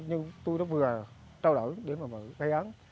nhưng tôi đã vừa trao đổi để mà gây án